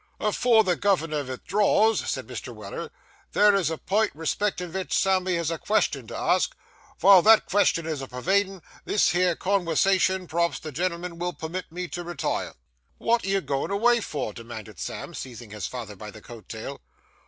'Afore the governor vith draws,' said Mr. Weller, 'there is a pint, respecting vich Sammy has a qvestion to ask. Vile that qvestion is a perwadin' this here conwersation, p'raps the genl'men vill permit me to re tire.' 'Wot are you goin' away for?' demanded Sam, seizing his father by the coat tail.